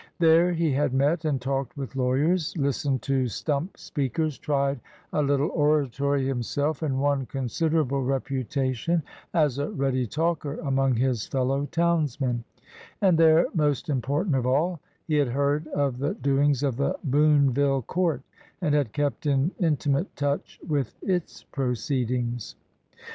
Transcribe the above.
There he had met and talked with lawyers, lis tened to stump speakers, tried a little oratory 13 LINCOLN THE LAWYER himself, and won considerable reputation as a ready talker among his fellow townsmen; and there, most important of all, he had heard of the doings of the Boonville court, and had kept in intimate touch with its proceedings.